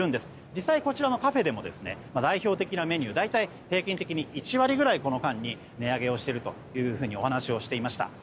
実際にこちらのカフェでも代表的なメニューが大体この間に１割ぐらい値上げをしているというふうにお話をしていました。